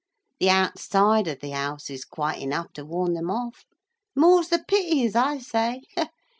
The outside of the house is quite enough to warn them off. Mores the pity, as I say.